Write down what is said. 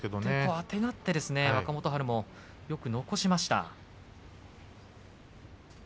あてがって若元春もよく残しました。